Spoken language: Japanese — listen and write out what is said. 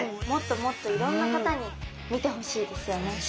もっともっといろんな方に見てほしいですよね。